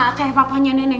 kayak papa aku